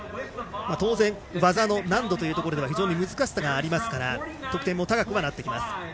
当然、技の難度というところでは非常に難しさがありますから得点も高くなってきます。